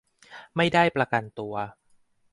ไม่ได้ประกันตัว